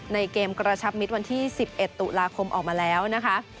ในเกมกระชับมิตรวันที่๑๑ตุลาคมออกมาแล้วนะคะ